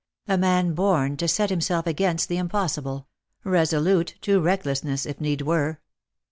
A rAan born to set himself against the impossible — resolute to recklessness, if need were.